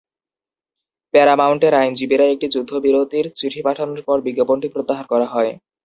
প্যারামাউন্টের আইনজীবীরা একটি যুদ্ধবিরতির চিঠি পাঠানোর পর বিজ্ঞাপনটি প্রত্যাহার করা হয়।